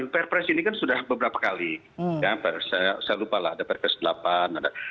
pr press ini kan sudah beberapa kali saya lupa lah ada pr press delapan itu semua bagus